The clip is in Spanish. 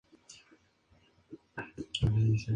Imamura dirigía desde Rabaul.